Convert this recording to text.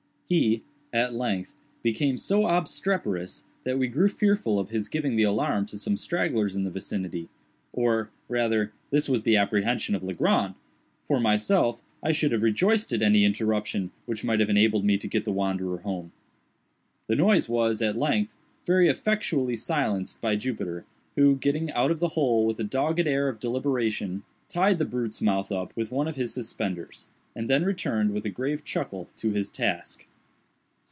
He, at length, became so obstreperous that we grew fearful of his giving the alarm to some stragglers in the vicinity—or, rather, this was the apprehension of Legrand;—for myself, I should have rejoiced at any interruption which might have enabled me to get the wanderer home. The noise was, at length, very effectually silenced by Jupiter, who, getting out of the hole with a dogged air of deliberation, tied the brute's mouth up with one of his suspenders, and then returned, with a grave chuckle, to his task.